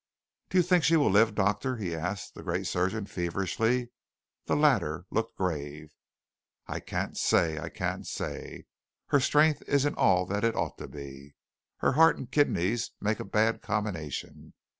"Do you think she will live, doctor?" he asked the great surgeon feverishly. The latter looked grave. "I can't say. I can't say. Her strength isn't all that it ought to be. Her heart and kidneys make a bad combination.